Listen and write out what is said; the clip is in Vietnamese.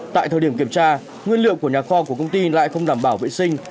tại thời điểm kiểm tra nguyên liệu của nhà kho của công ty lại không đảm bảo vệ sinh